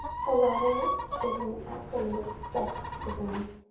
The latter is an absolute despotism.